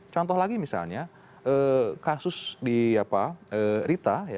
contoh lagi misalnya kasus di rita